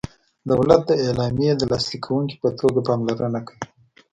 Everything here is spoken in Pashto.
دولت د اعلامیې د لاسلیک کوونکي په توګه پاملرنه کوي.